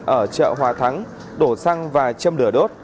ở chợ hòa thắng đổ xăng và châm lửa đốt